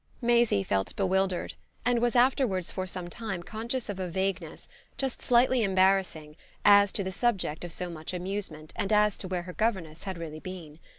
Maisie felt bewildered and was afterwards for some time conscious of a vagueness, just slightly embarrassing, as to the subject of so much amusement and as to where her governess had really been.